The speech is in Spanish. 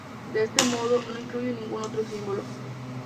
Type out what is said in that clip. De este modo, no incluye ningún otro símbolo.